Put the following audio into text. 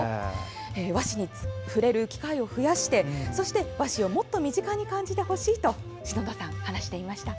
和紙に触れる機会を増やしてそして和紙をもっと身近に感じてほしいと篠田さん、話していました。